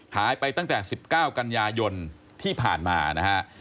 หายไปตั้งแต่๑๙กันยายนที่ผ่านมานะฮะ